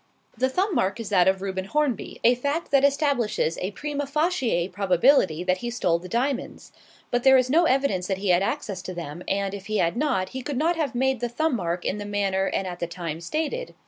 "The thumb mark is that of Reuben Hornby, a fact that establishes a prima facie probability that he stole the diamonds. But there is no evidence that he had access to them, and if he had not, he could not have made the thumb mark in the manner and at the time stated.